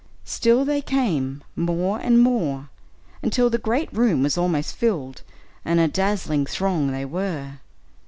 Still they came, more and more, until the great room was almost filled, and a dazzling throng they were.